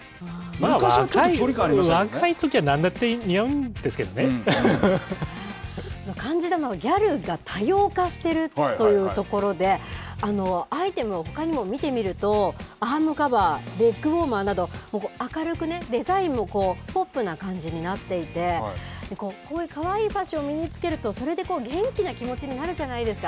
昔はちょっと、距離感ありました若いときはなんだって似合う感じたのは、ギャルが多様化しているというところで、アイテムをほかにも見てみると、アームカバー、レッグウォーマーなど、明るく、デザインもポップな感じになっていて、こういうかわいいファッションを身につけるとそれで元気な気持ちになるじゃないですか。